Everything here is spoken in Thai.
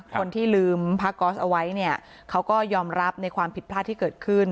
คนที่ลืมผ้าก๊อสเอาไว้เนี่ยเขาก็ยอมรับในความผิดพลาดที่เกิดขึ้น